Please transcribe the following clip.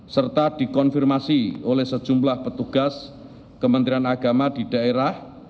serta dikonfirmasi oleh sejumlah petugas kementerian agama di daerah